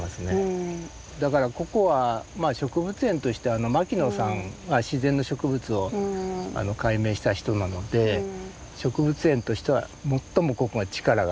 だからここは植物園として牧野さんが自然の植物を解明した人なので植物園としては最もここが力が入ってるとこなんです。